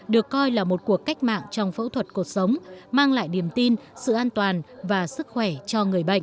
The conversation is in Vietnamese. được coi là một cuộc cách mạng trong phẫu thuật cuộc sống mang lại niềm tin sự an toàn và sức khỏe cho người bệnh